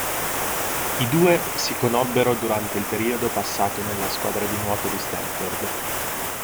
I due si conobbero durante il periodo passato nella squadra di nuoto di Stanford.